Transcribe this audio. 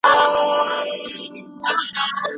پخوانیو خلګو د طبیعت د مظاهرو په اړه تعبیرونه کول.